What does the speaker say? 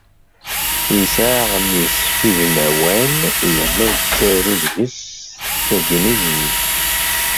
Yesɛa aɣmis udmawan yerna yettaru deg-s s tanglizit.